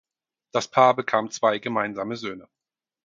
Das Paar bekam zwei gemeinsame Söhne.